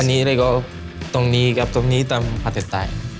อันนี้แล้วก็ตรงนี้ครับตรงนี้ตามภาษา